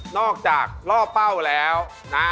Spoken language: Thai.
อกจากล่อเป้าแล้วนะ